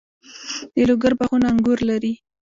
د لوګر باغونه انګور لري.